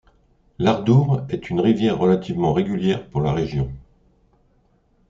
L'Ardour est une rivière relativement régulière pour la région.